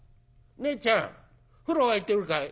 ねえちゃん風呂沸いてるかい？」。